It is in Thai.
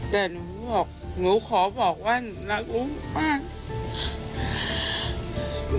แต่หนูขอบอกว่าหนูรักลูกมาก